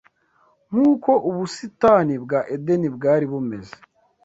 nk’uko ubusitani bwa Edeni bwari bumeze